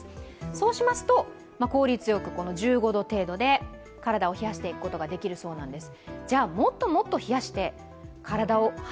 そうしますと効率よく１５度程度で体を冷やしていくことができるそうです。